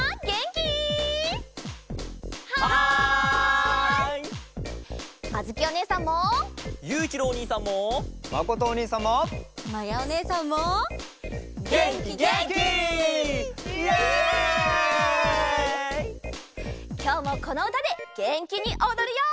きょうもこのうたでげんきにおどるよ！